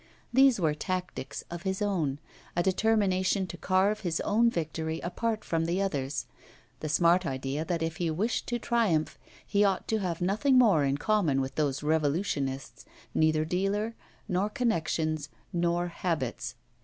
These were tactics of his own, a determination to carve his own victory apart from the others; the smart idea that if he wished to triumph he ought to have nothing more in common with those revolutionists, neither dealer, nor connections, nor habits.